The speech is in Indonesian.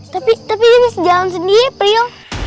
tapi tapi jangan sedih prio